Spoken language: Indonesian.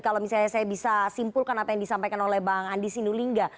kalau misalnya saya bisa simpulkan apa yang disampaikan oleh bang andi sinulinga